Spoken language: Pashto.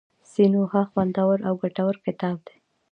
سینوهه خوندور او ګټور کتاب دی.